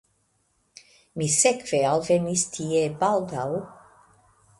Mi sekve alvenis tie baldaŭ.